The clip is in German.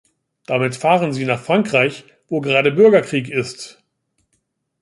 Damit fahren sie nach Frankreich, wo gerade Bürgerkrieg ist.